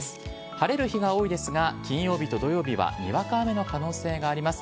晴れる日が多いですが、金曜日と土曜日はにわか雨の可能性があります。